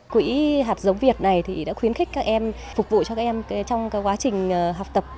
quỹ hạt giống việt này đã khuyến khích các em phục vụ cho các em trong quá trình học tập